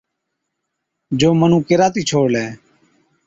جو مُنُون ڪيراتِي ڇوڙلَي۔